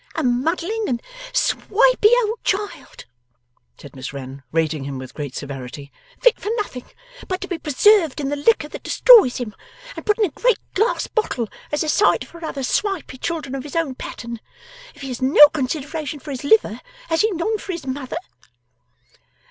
'A muddling and a swipey old child,' said Miss Wren, rating him with great severity, 'fit for nothing but to be preserved in the liquor that destroys him, and put in a great glass bottle as a sight for other swipey children of his own pattern, if he has no consideration for his liver, has he none for his mother?